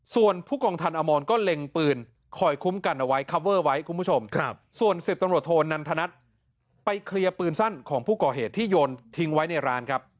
ส่วนผู้กองทันอมรก็เล็งปืนคอยคุ้มกันเอาไว้ส่วน๑๐ตำรวจโทรนันทนัดไปเคลียร์ปืนสั้นของผู้ก่อเหตุที่โยนทิ้งไว้ในร้าน